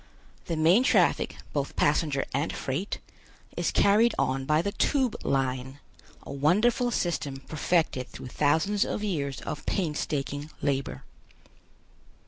The main traffic, both passenger and freight, is carried on by the Tube Line, a wonderful system perfected through thousands of years of painstaking labor.